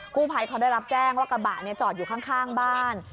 ผู้ภัยเขาได้รับแจ้งว่ากระบะจอดอยู่ข้างบ้าน